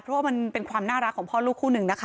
เพราะว่ามันเป็นความน่ารักของพ่อลูกคู่หนึ่งนะคะ